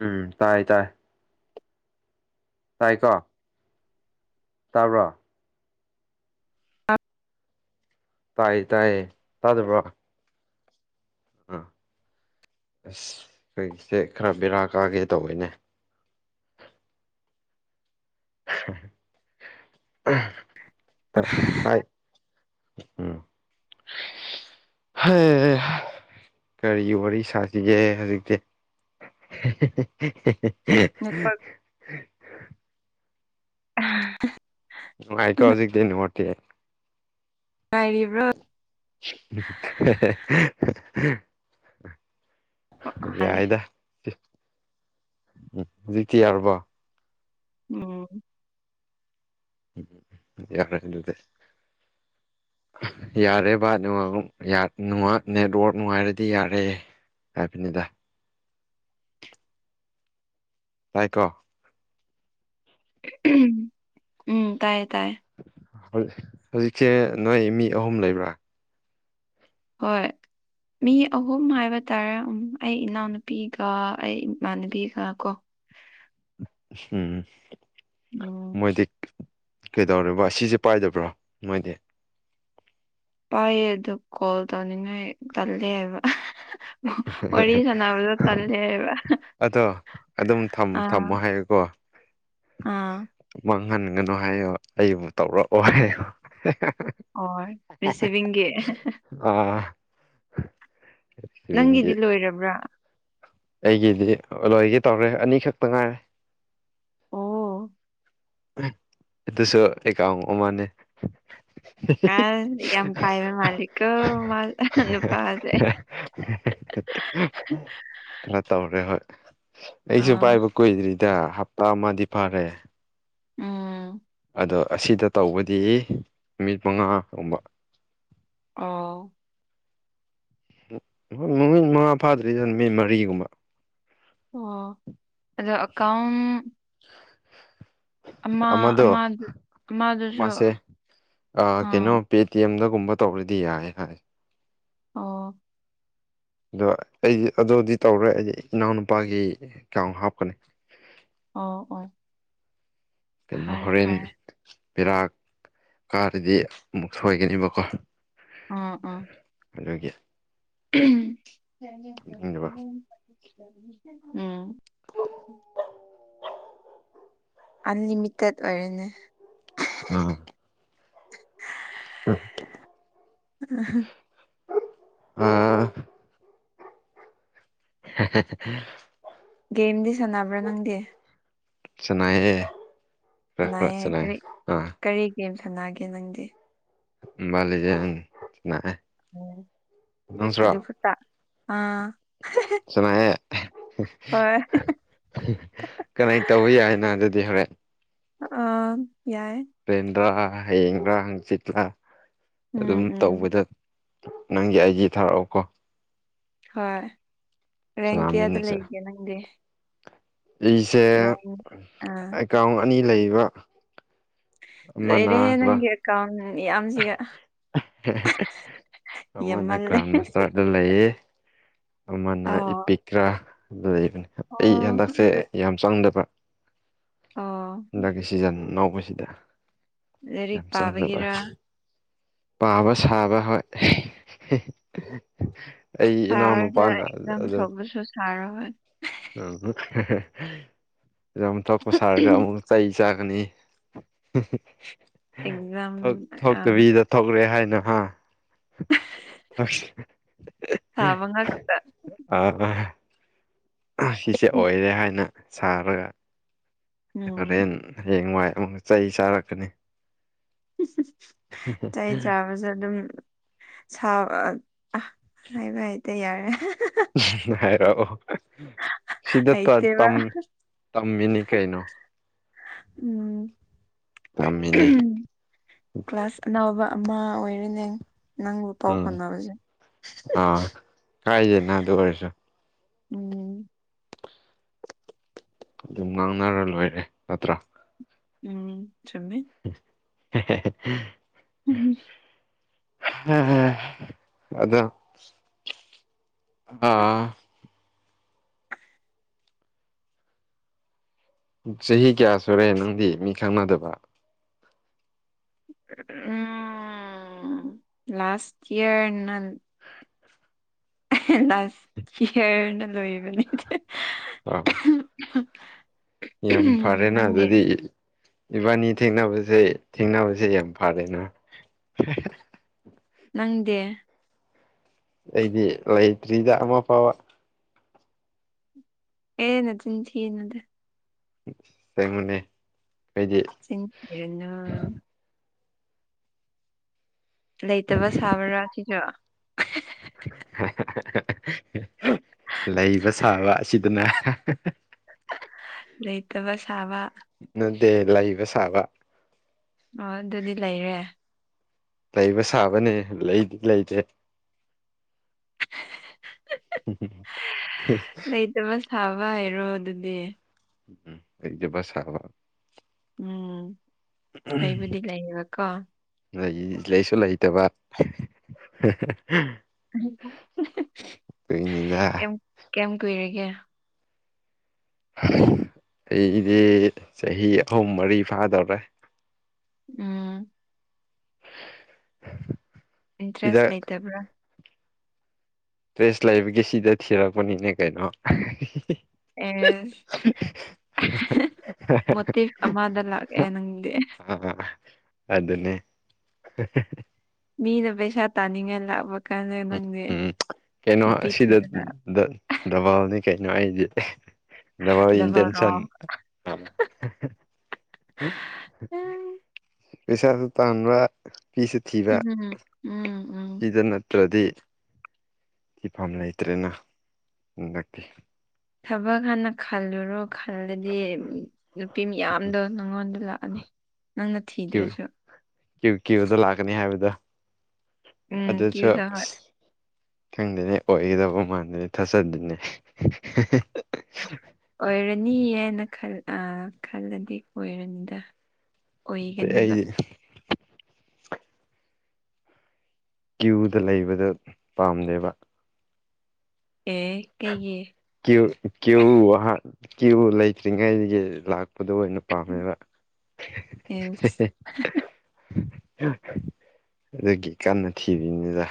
ꯎꯝ ꯇꯥꯏ ꯇꯥꯏ ꯇꯥꯏꯀꯣ ꯇꯥꯕ꯭ꯔꯣ ꯇꯥꯏ ꯇꯥꯏꯌꯦ ꯇꯥꯗꯕ꯭ꯔꯣ ꯑꯥ ꯑꯁ ꯑꯩꯈꯣꯏꯁꯦ ꯈꯔ ꯕꯦꯔꯥ ꯀꯥꯒꯦ ꯇꯧꯕꯤꯅꯦ ꯇ ꯇ ꯎꯝ ꯍ ꯀꯔꯤ ꯋꯥꯔꯤ ꯁꯥꯁꯤꯒꯦ ꯍꯧꯖꯤꯛꯇꯤ [unintelligible] ꯅꯠꯄ ꯎꯝ ꯅꯨꯡꯉꯥꯏꯀꯣ ꯍꯧꯖꯤꯛꯛꯇꯗꯤ ꯅꯣꯇꯦ ꯉꯥꯏꯔꯤꯕ꯭ꯔꯣ [unintelligible] ꯍꯥꯜꯂꯦ ꯌꯥꯏꯗ ꯍꯧꯖꯤꯛꯇꯤ ꯌꯥꯎꯔꯕꯣ ꯎꯝ ꯎꯝ ꯌꯥꯔꯗꯦ ꯌꯥꯔꯦ ꯚꯅꯨꯡ ꯅꯦꯠꯋꯔꯛ ꯅꯨꯡꯉꯥꯏꯔꯗꯤ ꯌꯥꯔꯦꯌꯦ ꯀꯕꯅꯤꯗ ꯇꯥꯏꯀꯣ ꯎꯝ ꯇꯥꯏꯌꯦ ꯇꯥꯏꯌꯦ ꯍꯧꯖꯤꯛꯁꯦ ꯅꯣꯏ ꯃꯤ ꯑꯍꯨꯝ ꯂꯩꯕ꯭ꯔꯥ ꯍꯣꯏ ꯃꯤ ꯑꯍꯨꯝ ꯍꯥꯏꯕ ꯇꯥꯔꯦ ꯑꯩ ꯏꯅꯥꯎꯅꯨꯄꯤꯒ ꯑꯩ ꯏꯃꯥꯟꯅꯕꯤꯒ ꯀꯣ ꯎꯝ ꯎꯝ ꯃꯣꯏꯗꯤꯛ ꯀꯩꯗꯧꯔꯤꯕ ꯁꯤꯁꯦ ꯄꯥꯏꯗꯕ꯭ꯔꯣ ꯅꯣꯏꯗꯤ ꯄꯥꯏꯌꯦ ꯑꯗꯨ ꯀꯣꯜ ꯇꯧꯅꯤꯡꯉꯥꯏ ꯇꯜꯂꯦ ꯍꯥꯏꯕ ꯋꯥꯔꯤ ꯁꯥꯟꯅꯕꯗ ꯇꯂꯦꯕ ꯑꯗꯣ ꯑꯗꯨꯝ ꯊꯝꯃꯣ ꯍꯥꯏꯌꯦꯀꯣ ꯑꯥ ꯃꯥꯡꯍꯟꯒꯅꯨ ꯍꯥꯏꯣ ꯑꯩꯕꯨ ꯇꯧꯔꯛꯑꯣ ꯍꯥꯏꯕ ꯑꯣ ꯔꯤꯁꯤꯚꯡꯒꯤ ꯑꯥ ꯅꯪꯒꯤꯗꯤ ꯁꯤꯕꯤꯡꯒꯤ ꯂꯣꯏꯔꯕ꯭ꯔꯥ ꯑꯩꯒꯤꯗꯤ ꯂꯣꯏꯒꯦ ꯇꯧꯔꯦ ꯑꯅꯤꯈꯛꯇ ꯉꯥꯏꯔꯦ ꯑꯣ ꯑꯗꯨꯁꯨ ꯑꯩꯀ ꯃꯥꯅꯦ ꯑꯁ ꯌꯥꯝ ꯄꯥꯏꯕ ꯃꯥꯂꯤꯀꯣ ꯃꯥ ꯅꯨꯄꯥꯁꯦ ꯀꯩꯅꯣ ꯇꯧꯔꯦ ꯍꯣꯏ ꯑꯩꯁꯨ ꯑꯥ ꯄꯥꯏꯕ ꯗ ꯍꯞꯇꯥ ꯑꯃꯗꯤ ꯐꯔꯦ ꯎꯝ ꯑꯗꯣ ꯑꯁꯤꯗ ꯇꯧꯕꯗꯤ ꯅꯨꯃꯤꯠ ꯃꯉꯥꯒꯨꯝꯕ ꯑꯣ ꯣꯏ ꯅꯨꯃꯤꯠ ꯃꯉꯥ ꯐꯥꯗ꯭ꯔꯤꯗꯅ ꯅꯨꯃꯤꯠ ꯃꯔꯤꯒꯨꯝꯕ ꯑꯣ ꯑꯗꯣ ꯑꯦꯀꯥꯎꯟ ꯑꯃ ꯑꯃꯗꯣ ꯑꯃꯗ ꯑꯃꯗꯨꯁꯨ ꯑꯃꯁꯁꯦ ꯀꯩꯅꯣ ꯑꯥ ꯄꯦꯇꯤꯑꯦꯝꯗꯒꯨꯝꯕ ꯇꯧꯔꯗꯤ ꯌꯥꯏ ꯍꯥꯏ ꯑꯣ ꯑꯗꯣ ꯑꯩꯗꯤ ꯑꯗꯨꯗꯤ ꯇꯧꯔꯣꯏ ꯑꯩꯗꯤ ꯏꯅꯥꯎꯅꯨꯄꯥꯒꯤ ꯑꯦꯀꯥꯎꯟ ꯍꯥꯞꯀꯅꯤ ꯑꯣ ꯑꯣ ꯀꯩꯅꯣ ꯐꯔꯦ ꯍꯣꯔꯦꯟ ꯐꯔꯦ ꯄꯦꯔꯥ ꯀꯥꯔꯗꯤ ꯑꯃꯨꯛ ꯁꯣꯏꯒꯅꯦꯕꯀꯣ ꯑꯥ ꯑꯥ ꯑꯗꯨꯒꯤ ꯍꯥꯞꯅꯤꯡꯗꯕ [unintelligible] ꯎꯝ ꯑꯟꯂꯤꯃꯤꯇꯦꯠ ꯑꯣꯏꯔꯦꯅꯦ ꯑꯥ [unintelligible] ꯎꯝ [unintelligible] [unintelligible] ꯑꯥ [unintelligible] ꯒꯦꯝꯗꯤ ꯁꯥꯟꯅꯕ꯭ꯔꯥ ꯅꯪꯗꯤ ꯁꯥꯟꯅꯩꯌꯦ ꯈꯔ ꯈꯔ ꯁꯥꯟꯅꯩꯌꯦ ꯁꯥꯟꯅꯩ ꯀꯔꯤ ꯑꯥ ꯀꯔꯤ ꯒꯦꯝ ꯁꯥꯟꯅꯒꯦ ꯅꯪꯗꯤ ꯃꯣꯕꯥꯏꯜꯂꯤꯖꯦꯟ ꯁꯥꯟꯅꯩꯌꯦ ꯎꯝ ꯑꯗꯨ ꯈꯛꯇꯥ ꯑꯥ ꯁꯥꯟꯅꯩꯑꯦ [unintelligible] ꯍꯣꯏ [unintelligible] ꯀꯅꯥꯏ ꯇꯧꯕ ꯌꯥꯏꯌꯦꯅ ꯑꯗꯨꯗꯤ ꯍꯣꯔꯦꯟ ꯑꯥꯝ ꯌꯥꯏꯌꯦ ꯄꯦꯟꯗ꯭ꯔꯥ ꯍꯌꯦꯡꯔꯥ ꯍꯪꯆꯤꯠꯂꯥ ꯎꯝ ꯑꯗꯨꯝ ꯎꯝ ꯇꯧꯕꯗ ꯅꯪꯒꯤ ꯑꯥꯏꯖꯤ ꯊꯥꯔꯛꯑꯣꯀꯣ ꯍꯣꯏ ꯔꯦꯡ ꯀꯌꯥꯗ ꯁꯅꯥꯃꯤꯟꯅꯁꯦ ꯂꯩꯒꯦ ꯅꯪꯗꯤ ꯑꯩꯁꯦ ꯔꯦꯡ ꯑꯥ ꯑꯦꯀꯥꯎꯟ ꯑꯅꯤ ꯂꯩꯌꯦꯕ ꯂꯣꯏꯔꯦꯍꯦ ꯅꯪꯒꯤ ꯑꯦꯀꯥꯎꯟ [unintelligible] ꯃꯌꯥꯝꯁꯤꯒ [unintelligible] ꯑꯃꯅ ꯌꯥꯝꯃꯜꯂꯦ ꯒ꯭ꯔꯥꯟ ꯃꯥꯁꯇꯔꯗ ꯂꯩꯌꯦ ꯑꯃꯅ ꯑꯣ ꯏꯄꯤꯛꯔꯥ ꯗ ꯂꯩꯕꯅꯦ ꯑꯩ ꯑꯣ ꯍꯟꯗꯛꯁꯦ ꯑꯗꯨ ꯌꯥꯝ ꯆꯪꯗꯕ ꯑꯣ ꯍꯟꯗꯛꯀꯤ ꯁꯤꯖꯟ ꯑꯅꯧꯕꯁꯤꯗ ꯂꯥꯏꯔꯤꯛ ꯌꯥꯝ ꯆꯪꯗꯕ ꯄꯥꯕꯒꯤꯔ ꯄꯥꯕ ꯁꯥꯕ ꯍꯣꯏ ꯑꯩ ꯄꯥꯔꯒ ꯏꯅꯥꯎꯅꯨꯄꯥꯅ ꯑꯦꯛꯖꯥꯝ ꯊꯛꯔꯁꯨ ꯁꯥꯔꯍꯣꯏ ꯎꯝꯍꯨꯞ [unintelligible] ꯌꯥꯝ ꯊꯣꯛꯄ ꯁꯥꯔꯒ ꯑꯃꯨꯛ ꯆꯩ ꯆꯥꯒꯅꯤ ꯑꯦꯛꯖꯥꯝ [unintelligible] ꯊꯣꯛ ꯑ ꯊꯣꯛꯇꯕꯤꯗ ꯊꯣꯛꯔꯦ ꯍꯥꯏꯅ ꯍꯥ ꯑꯥꯁ ꯁꯥꯕ ꯉꯛꯇ [unintelligible] ꯑꯥꯍ ꯁꯤꯁꯦ ꯑꯣꯏꯔꯦ ꯍꯥꯏꯅ ꯁꯥꯔꯒ ꯎꯝ ꯍꯣꯔꯦꯟ ꯍꯌꯦꯡꯋꯥꯏ ꯑꯃꯨꯛ ꯆꯩ ꯆꯥꯔꯛꯀꯅꯤ ꯆꯩ ꯆꯥꯕꯁꯨ ꯑꯗꯨꯝ ꯁꯥꯎ__ ꯑꯥꯍ ꯍꯥꯏꯕ ꯍꯩꯇꯦ ꯌꯥꯔꯦ [unintelligible] ꯍꯥꯏꯔꯛꯑꯣ ꯁꯤꯗ ꯇ ꯍꯩꯇꯦꯕ ꯇꯝꯃꯤꯅꯤ ꯀꯩꯅꯣ ꯎꯝ ꯇꯝꯃꯤꯅꯤ [unintelligible] ꯀ꯭ꯂꯥꯁ ꯑꯅꯧꯕ ꯑꯃ ꯑꯣꯏꯔꯦꯅꯦ ꯅꯪꯕꯨ ꯄꯥꯎ ꯎꯝ ꯐꯥꯎꯅꯕꯁꯦ ꯑꯥ ꯀꯥꯏꯗꯦꯅ ꯑꯗꯨ ꯑꯣꯏꯔꯁꯨ ꯎꯝ ꯑꯗꯨꯝ ꯉꯥꯡꯅꯔ ꯂꯣꯏꯔꯦ ꯅꯠꯇ꯭ꯔꯥ ꯎꯝ ꯆꯨꯝꯃꯤ [unintelligible] [unintelligible] ꯑꯗꯣ ꯍꯥ ꯆꯍꯤ ꯀꯌꯥ ꯁꯨꯔꯦ ꯅꯪꯗꯤ ꯃꯤ ꯈꯪꯅꯗꯕ ꯎꯝ ꯂꯥꯁ ꯏꯌꯔ ꯅꯥꯟ ꯂꯥꯁ ꯍꯤꯌꯔꯅ ꯂꯣꯏꯕꯅꯤꯗꯥ [unintelligible] [unintelligible] ꯌꯥꯝ ꯐꯔꯦꯅ ꯅꯪꯗꯤ ꯑꯗꯨꯗꯤ ꯏꯕꯥꯅꯤ ꯊꯦꯡꯅꯕꯁꯦ ꯊꯦꯡꯅꯕꯁꯦ ꯌꯥꯝ ꯐꯔꯦꯅ ꯅꯪꯗꯤ ꯑꯩꯗꯤ ꯂꯩꯇ꯭ꯔꯤꯗ ꯑꯃ ꯐꯥꯎꯕ ꯑꯦ ꯅꯆꯤꯟ ꯊꯤꯅꯨꯗ ꯆꯦꯡꯉꯨꯅꯦ ꯍꯥꯏꯗꯤ ꯆꯦꯡꯕꯤꯔꯅꯨ ꯂꯩꯇꯕ ꯁꯥꯕ꯭ꯔꯥ ꯁꯤꯁꯨ ꯂꯩꯕ ꯁꯥꯕ ꯑꯁꯤꯗꯅ ꯂꯩꯇꯕ ꯁꯥꯕ ꯅꯠꯇꯦ ꯂꯩꯕ ꯁꯥꯕ ꯑꯣ ꯑꯗꯨꯗꯤ ꯂꯩꯔꯦ ꯂꯩꯕ ꯁꯥꯕꯅꯦ ꯂꯩꯗꯤ ꯂꯩꯇ꯭ꯔꯦ [unintelligible] ꯂꯩꯇꯕ ꯁꯥꯕ ꯍꯥꯏꯔꯣ ꯑꯗꯨꯗꯤ ꯎꯝ ꯂꯩꯇꯥꯕ ꯁꯥꯕ ꯎꯝ ꯑꯩꯕꯨꯗꯤ ꯂꯩꯌꯦꯕꯀꯣ ꯂꯩ ꯂꯩꯁꯨ ꯂꯩꯇꯕ ꯑꯗꯨꯒꯤꯅꯤꯗ ꯀꯩꯌꯥꯝ ꯀꯩꯌꯥꯝ ꯀꯨꯏꯔꯒꯦ ꯑꯩꯗꯤ ꯆꯍꯤ ꯑꯍꯨꯝ ꯃꯔꯤ ꯐꯥꯗꯧꯔꯦ ꯎꯝ ꯏꯟꯇꯔꯦꯁ ꯁꯤꯗ ꯂꯩꯇꯕ꯭ꯔꯥ ꯇꯔꯦꯁ ꯂꯩꯒꯤ ꯁꯤꯗ ꯊꯤꯔꯛꯄꯅꯤꯅꯦ ꯀꯩꯅꯣ ꯑꯦꯁ ꯃꯣꯇꯤꯞ ꯑꯃꯗ ꯂꯥꯛꯑꯦ ꯅꯪꯗꯤ ꯑ ꯑꯗꯨꯅꯦ ꯃꯤꯅ ꯄꯩꯁꯥ ꯇꯥꯅꯤꯡꯉꯥꯏ ꯂꯥꯛꯄ ꯀꯥꯟꯗ ꯎꯝ ꯅꯪꯗꯤ ꯎꯝ ꯀꯩꯅꯣ ꯅꯨꯄꯤ ꯑꯁꯤꯗ ꯊꯤꯗꯅ ꯗꯕꯥꯜꯅꯤ ꯀꯩꯅꯣ ꯑꯩꯗꯤ ꯗꯕꯥꯜ ꯗꯕꯜꯔꯣ ꯏꯟꯇꯦꯟꯁꯟ ꯎꯝ ꯄꯩꯁꯥꯁꯨ ꯇꯥꯟꯕ ꯄꯤꯁꯨ ꯎꯝ ꯎꯝ ꯎꯝ ꯑꯗꯨ ꯅꯠꯇ꯭ꯔꯗꯤ ꯐꯤꯐꯝꯥꯝ ꯂꯩꯇ꯭ꯔꯦꯅ ꯍꯟꯗꯛꯀꯤ ꯊꯕꯛ ꯍꯥꯟꯅ ꯈꯜꯂꯨꯔꯣ ꯈꯜꯂꯗꯤ ꯅꯨꯄꯤ ꯃꯌꯥꯝꯗꯣ ꯅꯪꯉꯣꯟꯗ ꯂꯥꯛꯑꯅꯤ ꯅꯪꯅ ꯊꯤꯗ꯭ꯔꯁꯨ ꯀꯦꯌꯨ ꯀꯦꯌꯨꯗ ꯂꯥꯛꯀꯅꯤ ꯍꯥꯏꯕꯗꫭ ꯎꯝ ꯑꯗꯨꯁꯨ ꯀ꯭ꯌꯨꯗ ꯍꯣꯏ ꯑꯁ ꯈꯪꯗꯅꯦ ꯑꯣꯏꯒꯗꯕ ꯃꯥꯟꯗꯦꯅꯦ ꯊꯥꯖꯗꯦꯅꯦ ꯑꯣꯏꯔꯅꯤꯌꯦꯅ ꯍꯥꯏꯅ ꯈꯜ ꯑꯥ ꯈꯜꯂꯗꯤ ꯑꯣꯏꯔꯅꯤꯗ ꯑꯗꯩ ꯑꯣꯏꯒꯅꯤꯕ ꯑꯩꯗꯤ ꯀ꯭ꯌꯨꯗ ꯂꯩꯕꯗ ꯄꯥꯝꯗꯦꯕ ꯑꯦ ꯀꯩꯒꯤ ꯀꯦ ꯀꯦꯎ [unintelligible] ꯀꯦꯎ ꯂꯩꯇ꯭ꯔꯤꯉꯩꯗꯒꯤ ꯂꯥꯛꯄ ꯑꯗꯨ ꯑꯣꯏꯅ ꯄꯥꯝꯃꯦꯕ ꯑꯦꯁ ꯑꯗꯨꯒꯤ ꯀꯟꯅ ꯊꯤꯔꯤꯅꯤꯗꯥ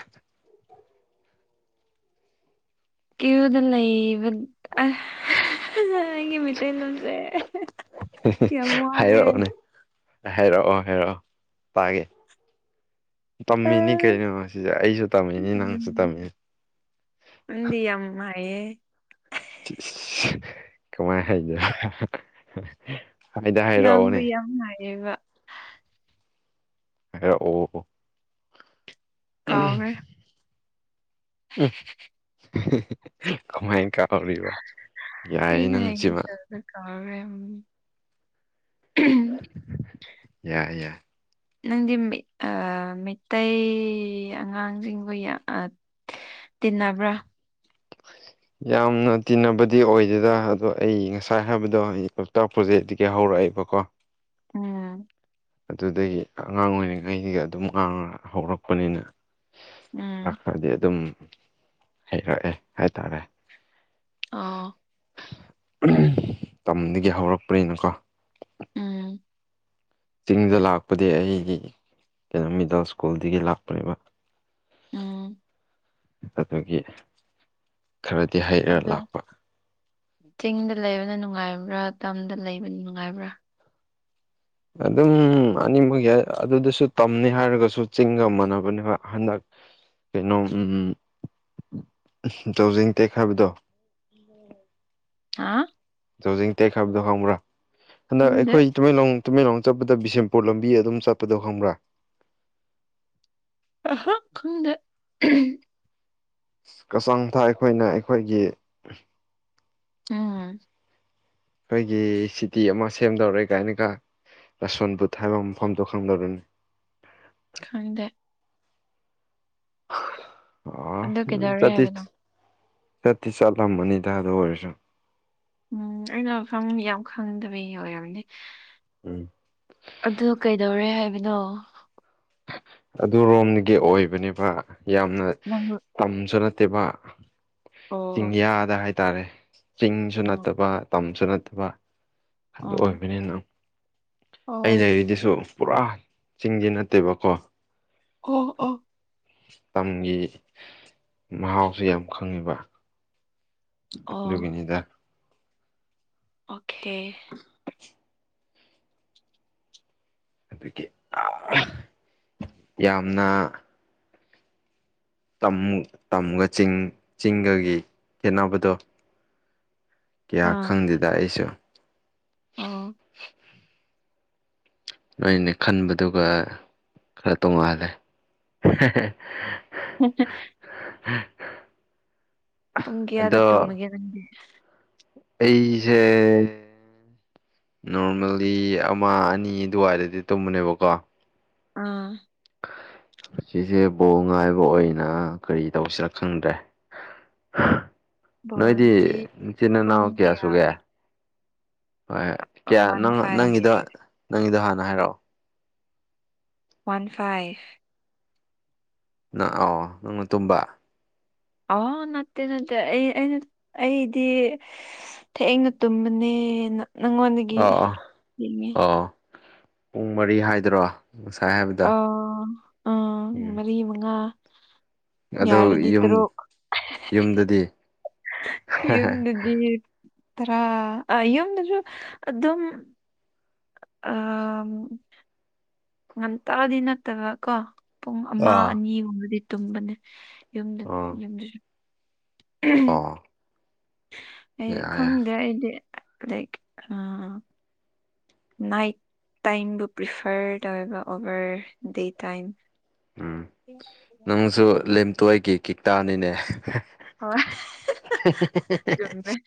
ꯀ꯭ꯌꯨꯗꫭ ꯂꯩꯕ ꯑ ꯑꯩꯒꯤ ꯃꯩꯇꯩꯂꯣꯟꯁꯦ ꯌꯥꯝ ꯋꯥꯔꯦ ꯍꯥꯏꯔꯛꯑꯣꯅꯦ ꯍꯥꯏꯔꯛꯑꯣ ꯍꯥꯏꯔꯛꯑꯣ ꯄꯥꯒꯦ ꯑ ꯇꯝꯃꯤꯅꯤ ꯀꯩꯅꯣ ꯁꯤꯗꯥ ꯑꯩꯁꯨ ꯇꯝꯃꯤꯅꯤ ꯅꯪꯁꯨ ꯇꯝꯃꯤꯅꯤ ꯅꯪ ꯗꯤ ꯌꯥꯝ ꯍꯩꯌꯦ ꯀꯃꯥꯏ ꯍꯥꯏꯔꯤꯕ ꯍꯥꯏꯗ ꯍꯥꯏꯔꯛꯑꯣꯅꯦ [unintelligible] ꯍꯢꯔꯛ ꯑꯣ ꯎꯝ ꯀꯥꯎꯈ꯭ꯔꯦ ꯎ ꯀꯃꯥꯏꯅ ꯀꯥꯎꯔꯤꯕ ꯌꯥꯏꯌꯦ ꯑꯩꯅ ꯍꯩꯒꯦ ꯅꯪꯁꯤꯃ [unintelligible] ꯌꯥꯏ ꯌꯥꯏ [inaudible] ꯅꯪꯗꯤ ꯃꯩꯇꯩ ꯑꯉꯥꯡꯁꯤꯡꯈꯣꯏ ꯇꯤꯟꯅꯕ꯭ꯔꯥ ꯌꯥꯝꯅ ꯇꯤꯟꯅꯕꯗꯤ ꯑꯣꯏꯗꯦꯗ ꯑꯗꯣ ꯑꯩ ꯉꯁꯥꯏ ꯍꯥꯏꯕꯗꯣ ꯑꯩ ꯂꯣꯛꯇꯥꯛꯄꯔꯣꯛ ꯇꯒꯤ ꯍꯧꯔꯛꯏꯕꯀꯣ ꯎꯝ ꯑꯗꯨꯗꯒꯤ ꯑꯉꯥꯡ ꯑꯣꯏꯔꯤꯉꯩꯗꯒꯤ ꯑꯗꯨꯝ ꯉꯥꯡ ꯍꯧꯔꯛꯄꯅꯤꯅ ꯎꯝ ꯈꯔ ꯈꯔꯗꯤ ꯑꯗꯨꯝ ꯍꯩꯔꯛꯑꯦ ꯍꯥꯏꯇꯥꯔꯦ ꯑ ꯑꯝ ꯇꯝꯗꯒꯤ ꯍꯧꯔꯛꯄꯅꯤꯅꯀꯣ ꯎꯝ ꯆꯤꯡꯗ ꯂꯥꯛꯄꯗꯤ ꯑꯩ ꯀꯩꯅꯣ ꯃꯤꯗꯜ ꯁ꯭ꯀꯨꯜꯗꯒꯤ ꯂꯥꯛꯄꯅꯦꯕ ꯑꯝ ꯑꯗꯗꯒꯤ ꯈꯔꯗꯤ ꯍꯩꯔ ꯑꯗꯣ ꯂꯥꯛꯄ ꯆꯤꯡꯗ ꯂꯩꯕꯅ ꯅꯨꯡꯉꯥꯏꯕ꯭ꯔꯥ ꯇꯝꯗ ꯂꯩꯕꯅ ꯅꯨꯡꯉꯥꯏꯕ꯭ꯔꯥ ꯑꯗꯨꯝ ꯑꯅꯤꯃꯛ ꯌꯥ ꯑꯗꯨꯗꯁꯨ ꯇꯝꯅꯤ ꯍꯥꯏꯔꯒꯁꯨ ꯆꯤꯡꯒ ꯃꯥꯟꯅꯕꯅꯦꯕ ꯍꯟꯗꯛ ꯀꯩꯅꯣ ꯇꯧꯖꯤꯡ ꯇꯦꯛꯈꯕꯗꯣ [unintelligible] ꯍꯥ ꯖꯤꯡ ꯇꯦꯛꯈꯕꯗꯣ ꯈꯪꯕ꯭ꯔꯥ ꯍꯟꯗꯛ ꯈꯪꯗꯦ ꯑꯩꯈꯣꯏ ꯇꯨꯃꯦꯡꯂꯣꯡ ꯇꯨꯃꯦꯡꯂꯣꯡ ꯆꯠꯄꯗ ꯕꯤꯁꯦꯝꯄꯨꯔ ꯂꯝꯕꯤ ꯑꯗꯨꯝ ꯆꯠꯄꯗꯣ ꯈꯪꯕ꯭ꯔ꯫ ꯑꯍ ꯈꯪꯗꯦ ꯀꯆꯥꯡ ꯊꯥ ꯑꯩꯈꯣꯏꯅ ꯑꯩꯈꯣꯏꯒꯤ ꯎꯝ ꯑꯩꯈꯣꯏꯒꯤ ꯁꯤꯇꯤ ꯑꯃ ꯁꯦꯝꯗꯧꯔꯦ ꯀꯥꯏꯅꯒ ꯂꯁꯣꯟ ꯕꯨꯠ ꯍꯥꯏꯕ ꯃꯐꯝꯗꯣ ꯈꯪꯗꯧꯔꯅꯤ ꯈꯪꯗꯦ ꯑ ꯑꯗꯨ ꯀꯩꯗꯧꯔꯦ ꯆꯠꯇꯤ ꯍꯥꯏꯕꯅꯣ ꯆꯠꯇꯤ ꯆꯠꯂꯝꯕꯅꯤ ꯇꯥ ꯑꯗꯣ ꯑꯣꯏꯔꯁꯨ ꯎꯝ ꯑꯩꯅ ꯃꯐꯝ ꯌꯥꯝ ꯈꯪꯗꯕꯤꯒꯤ ꯑꯣꯏꯔꯝꯅꯦ ꯎꯝ ꯑꯗꯨ ꯀꯩꯗꯧꯔꯦ ꯍꯥꯏꯕꯅꯣ ꯑꯗꯨꯔꯣꯝꯒꯤ ꯑꯣꯏꯕꯅꯦꯕ ꯌꯥꯝꯅ ꯅꯝꯕꯨꯜ ꯇꯝꯁꯨ ꯅꯠꯇꯦꯕ ꯑꯣ ꯆꯤꯡꯌꯥꯗ ꯍꯥꯏꯇꯥꯔꯦ ꯆꯤꯡꯁꯨ ꯑꯥ ꯅꯠꯇꯕ ꯇꯝꯁꯨ ꯅꯠꯇꯕ ꯑꯗꯨ ꯑꯣ ꯑꯣꯏꯕꯅꯤꯅ ꯑ ꯑꯣ ꯂꯩꯔꯤꯗꯨꯁꯨ ꯄꯨꯔꯥ ꯆꯤꯡꯗꯤ ꯅꯠꯇꯦꯕꯀꯣ ꯑꯣ ꯑꯣ ꯇꯝꯒꯤ ꯃꯍꯥꯎꯁꯨ ꯌꯥꯝ ꯈꯪꯉꯤꯕ ꯑꯣ ꯑꯗꯨꯒꯤꯅꯤꯗ ꯑꯣꯀꯦ [inaudible] ꯑꯗꯨꯒꯤ ꯑꯥ ꯌꯥꯝꯅ꯫ ꯇꯝ ꯇꯝꯒꯥ ꯆꯤꯡ ꯆꯤꯡꯒꯒꯤ ꯈꯦꯠꯅꯕꯗꯣ ꯀꯌꯥ ꯑꯥ ꯈꯪꯗꯦꯗ ꯑꯩꯁꯨ ꯑꯣ ꯅꯣꯏꯅꯦ ꯈꯟꯕꯗꯨꯒ ꯈꯔ ꯇꯣꯡꯉꯥꯜꯂꯦ [inaudible] [inaudible] ꯄꯨꯡ ꯀꯌꯥꯗ ꯑꯗꯣ ꯇꯨꯝꯃꯒꯦ ꯅꯪꯗꯤ ꯑꯩꯁꯦ ꯅꯣꯔꯃꯦꯜꯂꯤ ꯑꯃ ꯑꯅꯤ ꯑꯗꯨꯋꯥꯏꯗꯗꯤ ꯇꯝꯕꯅꯦꯕꯀꯣ ꯑꯥ ꯁꯤꯁꯦ ꯕꯣ ꯉꯥꯏꯕ ꯑꯣꯏꯅ ꯀꯔꯤ ꯇꯧꯁꯤꯔ ꯈꯪꯗ꯭ꯔꯦ [inaudible] ꯅꯣꯏꯗꯤ ꯕꯣꯜꯗꯤ ꯆꯤꯟ ꯏꯅꯥꯎ ꯀꯌꯥ ꯁꯒꯦ ꯍꯣꯏ꯫ ꯀꯌꯥ ꯋꯥꯟ ꯅꯪ ꯐꯥꯏꯚ ꯅꯪꯒꯤꯗꯣ ꯅꯪꯒꯤꯗꯣ ꯍꯥꯟꯅ ꯍꯥꯏꯔꯛꯑꯣ꯫ One five. ꯅꯪ ꯑꯥꯎ ꯅꯪꯅ ꯇꯨꯝꯕ ꯑꯣ ꯅꯠꯇꯦ ꯅꯠꯇꯦ ꯑꯩ ꯑꯩꯅ ꯑꯩꯗꯤ ꯊꯅ ꯇꯨꯝꯕꯅꯦ ꯅꯪꯉꯣꯟꯗꯒꯤ ꯑꯥ ꯑꯥ ꯌꯦꯡꯉꯦ ꯑꯥ ꯄꯨꯡ ꯃꯔꯤ ꯍꯥꯏꯗꯔꯣ ꯁꯥꯍꯦꯕꯤ ꯑ ꯑ ꯃꯔꯤ ꯃꯉꯥ ꯑꯣ ꯌꯥꯔꯗꯤ ꯌꯨꯝ ꯇꯔꯨꯛ ꯌꯨꯝꯗꯗꯤ ꯌꯨꯝꯗꯗꯤ ꯇꯔꯥ ꯑ ꯌꯨꯝꯗꯁꯨ ꯑꯗꯨꯝ ꯑ꯫ ꯉꯟꯇꯗꯤ ꯅꯠꯇꯕ ꯀꯣ ꯄꯨꯡ ꯑꯃ ꯑꯥ ꯑꯅꯤꯒꯨꯝꯕꯗꯤ ꯇꯨꯝꯕꯅꯦ꯫ ꯌꯨꯝꯗ ꯌꯨꯝꯗꯁꯨ꯫ ꯑꯥ꯫ ꯑꯩ ꯈꯪꯗꯦ ꯑꯩꯗꯤ ꯂꯛ ꯑ ꯅꯥꯏꯠ ꯇꯥꯏꯝꯕꯨ ꯄ꯭ꯔꯤꯐꯔ ꯇꯧꯋꯦꯕ ꯑꯣꯚꯔ ꯗꯦ ꯇꯥꯏꯝ ꯎꯝ ꯅꯪꯁꯨ ꯂꯦꯝꯇꯣꯏꯒꯤ ꯀꯤꯇꯥꯥꯅꯤꯅꯦ ꯍꯣꯏ ꯆꯨꯝꯃꯦ [unintelligible]